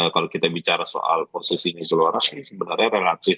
kalau kita bicara soal posisi nuzul waras ini sebenarnya relatif